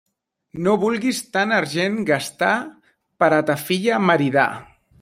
No vulguis tant argent gastar, per a ta filla maridar.